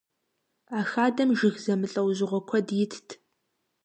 А хадэм жыг зэмылӏэужьыгъуэ куэд итт.